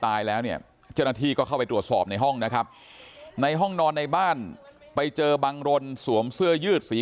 ตายแล้วเนี่ยเจ้าหน้าที่ก็เข้าไปตรวจสอบในห้องนะครับในห้องนอนในบ้านไปเจอบังรนสวมเสื้อยืดสี